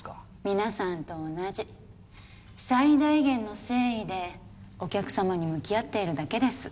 皆さんと同じ最大限の誠意でお客様に向き合っているだけです